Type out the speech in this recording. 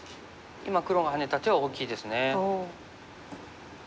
今黒がハネた手は大きいです。